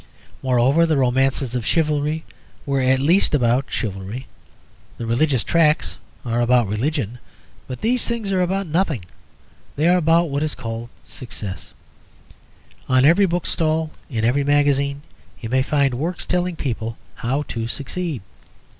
Moreover, the romances of chivalry were at least about chivalry; the religious tracts are about religion. But these things are about nothing; they are about what is called Success. On every bookstall, in every magazine, you may find works telling people how to succeed.